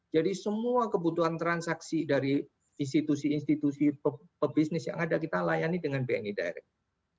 jadi semua kebutuhan transaksi dari institusi institusi pebisnis yang ada kita layani dengan bni direct